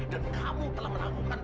dan kamu telah melakukan